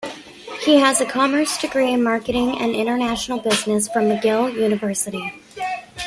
He has a commerce degree in marketing and international business from McGill University.